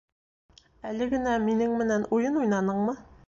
Әле генә минең менән уйын уйнаныңмы?